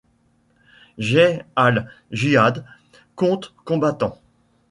Jaych al-Jihad compte combattants.